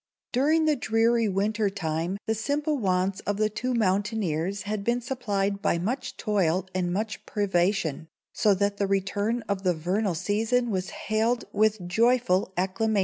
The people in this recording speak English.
During the dreary winter time the simple wants of the two mountaineers had been supplied by much toil and much privation, so that the return of the vernal season was hailed with joyful acclamation.